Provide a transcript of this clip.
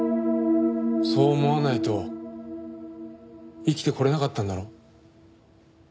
そう思わないと生きてこれなかったんだろ？